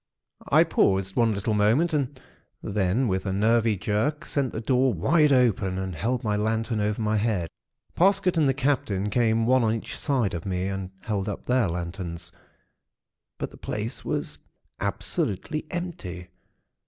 "I paused one little moment, and then with a nervy jerk, sent the door wide open, and held my lantern over my head. Parsket and the Captain came one on each side of me, and held up their lanterns; but the place was absolutely empty.